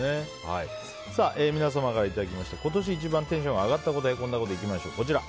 皆様からいただいた今年一番テンションが上がったこと＆へこんだこといきましょう。